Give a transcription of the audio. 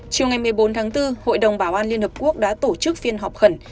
chiều ngày một mươi bốn tháng bốn hội đồng bảo an liên hợp quốc đã tổ chức phiên họp khẩn